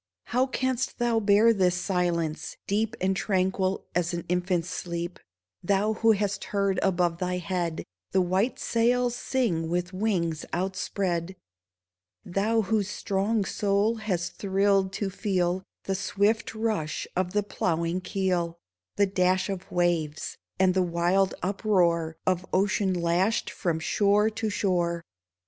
How canst thou bear this silence, deep And tranquil as an infant's sleep — Thou who hast heard above thy head The white sails sing with wings outspread ; Thou whose strong soul has thrilled to feel The swift rush of the ploughing keel, 394 THE LADY OF THE PROW The dash of waves, and the wild uproar Of ocean lashed from shore to shore